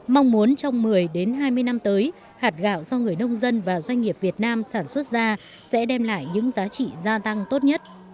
mong muốn trong một mươi hai mươi năm tới hạt gạo do người nông dân và doanh nghiệp việt nam sản xuất ra sẽ đem lại những giá trị gia tăng tốt nhất